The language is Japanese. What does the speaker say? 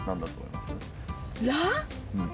うん。